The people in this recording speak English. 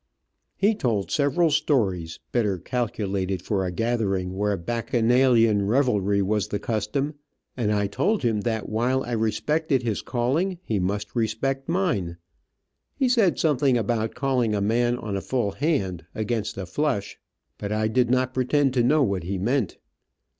He told several stories, better calculated for a gathering where bacchanalian revelry was the custom, and I told him that while I respected his calling, he must respect mine. He said something about calling a man on a full hand, against a flush, but I did not pretend to know what he meant.